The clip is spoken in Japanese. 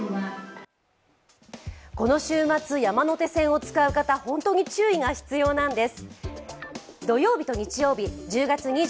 この週末、山手線を使う方、本当に注意が必要なんです。